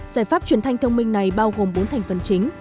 giải pháp truyền thanh thông minh này bao gồm bốn thành phần chính